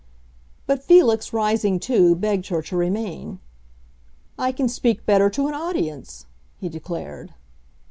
But Felix, rising too, begged her to remain. "I can speak better to an audience!" he declared.